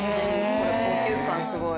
これ高級感すごい。